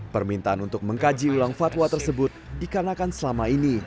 permintaan untuk mengkaji ulang fatwa tersebut dikarenakan selama ini